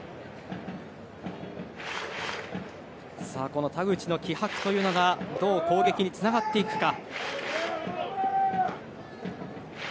この田口の気迫がどう攻撃につながっていくか。